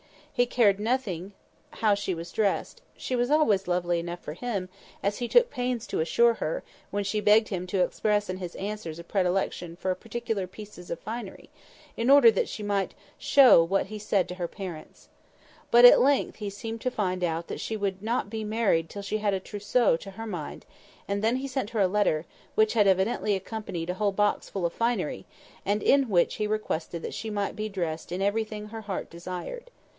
He cared nothing how she was dressed; she was always lovely enough for him, as he took pains to assure her, when she begged him to express in his answers a predilection for particular pieces of finery, in order that she might show what he said to her parents. But at length he seemed to find out that she would not be married till she had a "trousseau" to her mind; and then he sent her a letter, which had evidently accompanied a whole box full of finery, and in which he requested that she might be dressed in everything her heart desired.